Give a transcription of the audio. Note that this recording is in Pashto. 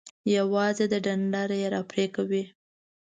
یوازې د ډنډره یی را پرې کوئ.